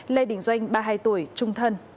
lê đình doanh ba mươi hai tuổi trung thân